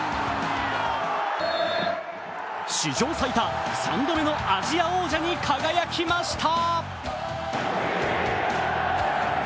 史上最多、３度目のアジア王者に輝きました。